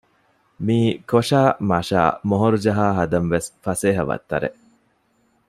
މީ ކޮށައި މަށައި މޮހޮރުޖަހާ ހަދަން ވެސް ފަސޭހަ ވައްތަރެއް